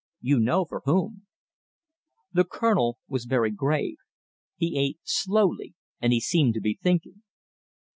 You know for whom." The Colonel was very grave. He ate slowly, and he seemed to be thinking.